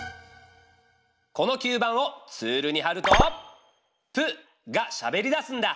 この吸盤をツールにはると「プ」がしゃべりだすんだ。